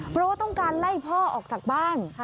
เพราะว่าต้องการไล่พ่อออกจากบ้าน